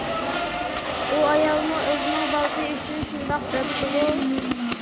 ئۇ ئايالمۇ ئۆزىنىڭ بالىسى ئۈچۈن شۇنداق دەپتىغۇ؟